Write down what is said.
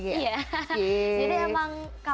jadi emang kalau ghea kangen biasanya tipe nya yang kayak gitu